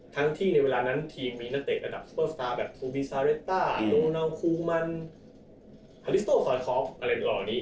ทั้งที่ในเวลานั้นทีมมีนาเตะระดับสเปอร์สตาร์แบบทูบิซาเรตต้าโนนัลคูมันฮาลิสโตฟอร์คอล์ฟอะไรหล่อนี้